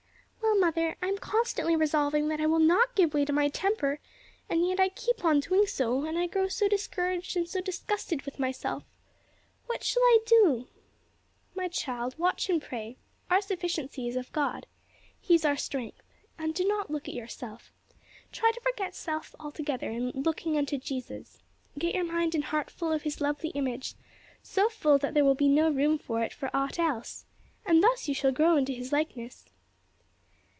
"Well, mother, I am constantly resolving that I will not give way to my temper, and yet I keep on doing so; and I grow so discouraged and so disgusted with myself. What shall I do?" "My child, watch and pray. Our sufficiency is of God. He is our strength. And do not look at yourself; try to forget self altogether in 'looking unto Jesus;' get your mind and heart full of his lovely image, so full that there will be no room in it for aught else; and thus shall you grow into His likeness."